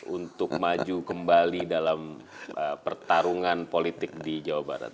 untuk maju kembali dalam pertarungan politik di jawa barat